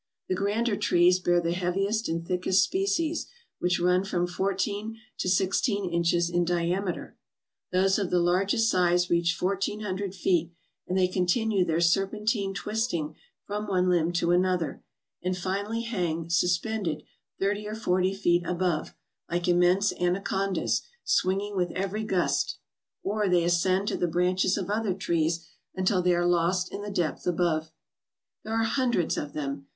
The grander trees bear the heaviest and thickest species, which run from four teen to sixteen inches in diameter. Those of the largest size reach fourteen hundred feet, and they continue their serpentine twisting from one limb to another, and finally hang suspended thirty or forty feet above, like immense anacondas, swinging with every gust, or they ascend to the AFRICA 341 branches of other trees until they are lost in the depth above. There are hundreds of them.